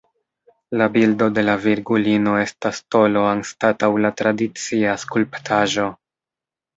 La bildo de la Virgulino estas tolo anstataŭ la tradicia skulptaĵo.